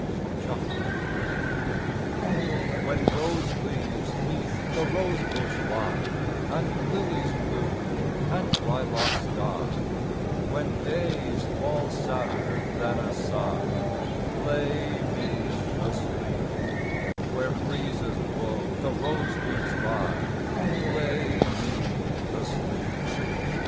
PEACE I When rose leaves 'neath the rose bush lie And lilies bloom and lilacs die, When days fall sadder than a sigh, Lay me asleep; Where breezes blow the rose leaves by, Lay me asleep.